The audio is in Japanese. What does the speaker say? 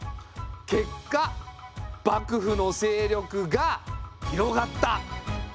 結果幕府の勢力が広がった。